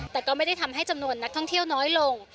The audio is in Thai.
แต่ก็ไม่ได้ทำให้จำนวนนักท่องเที่ยวน้อยลง